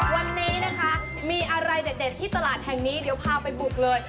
วันนี้นะคะมีอะไรเด็ดที่ตลาดแห่งนี้เดี๋ยวพาไปบุกเลย